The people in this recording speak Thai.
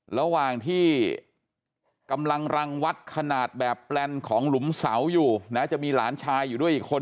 ระหว่างที่กำลังรังวัดขนาดแบบแปลนของหลุมเสาอยู่นะจะมีหลานชายอยู่ด้วยอีกคน